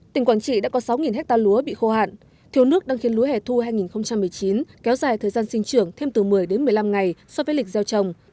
tỉnh quảng trị đã có sáu ha lúa bị khô hạn thiếu nước đang khiến lúa hẻ thu hai nghìn một mươi chín kéo dài thời gian sinh trưởng thêm từ một mươi đến một mươi năm ngày so với lịch gieo trồng